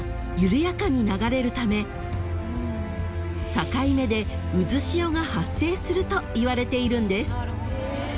［境目で渦潮が発生するといわれているんです］